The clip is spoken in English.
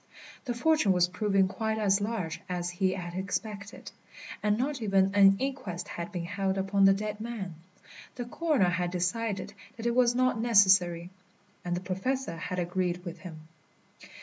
The fortune was proving quite as large as he had expected, and not even an inquest had been held upon the dead man. The coroner had decided that it was not necessary, and the Professor had agreed with him.